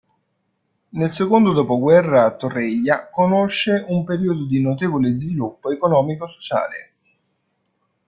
Nel secondo dopoguerra Torreglia conosce un periodo di notevole sviluppo economico sociale.